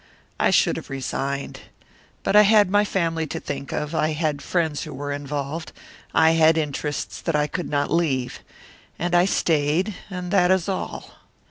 I should have resigned. But I had my family to think of; I had friends who were involved; I had interests that I could not leave. And I stayed and that is all.